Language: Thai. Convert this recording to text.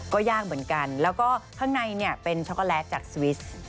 ก็ยากเหมือนกันแล้วก็ข้างในเนี่ยเป็นช็อกโกแลตจากสวิส